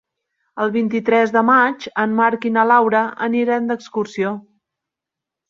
El vint-i-tres de maig en Marc i na Laura aniran d'excursió.